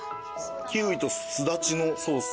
キウイとスダチのソース。